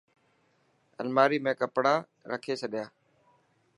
الماڙي ۾ ڪپڙا رکي ڇڏيا.